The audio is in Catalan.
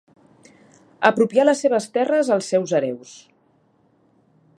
Apropià les seves terres als seus hereus.